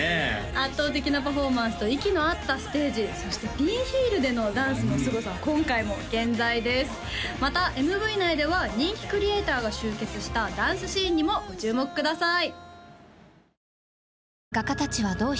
圧倒的なパフォーマンスと息の合ったステージそしてピンヒールでのダンスのすごさは今回も健在ですまたＭＶ内では人気クリエイターが集結したダンスシーンにもご注目ください